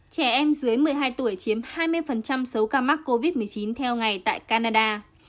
trẻ em dưới một mươi hai tuổi chiếm hai mươi số ca mắc covid một mươi chín theo ngày tại canada